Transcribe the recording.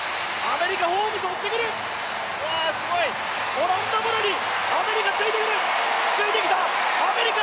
オランダボルにアメリカついてくる、アメリカ！